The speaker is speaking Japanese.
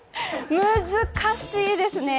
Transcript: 難しいですね。